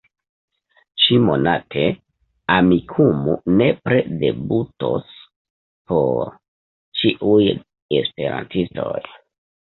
Ĉi-monate, Amikumu nepre debutos por ĉiuj esperantistoj.